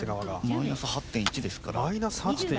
マイナス８．１ですから。